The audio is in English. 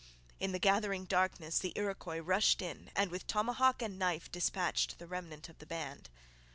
In the gathering darkness the Iroquois rushed in and with tomahawk and knife dispatched the remnant of the band.